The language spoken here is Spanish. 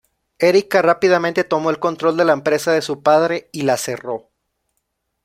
Erika rápidamente tomó el control de la empresa de su padre y la cerró.